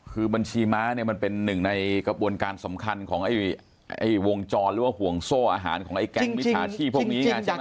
คือบัญชีม้าเนี่ยมันเป็นหนึ่งในกระบวนการสำคัญของวงจรหรือว่าห่วงโซ่อาหารของไอ้แก๊งมิจฉาชีพพวกนี้ไงใช่ไหม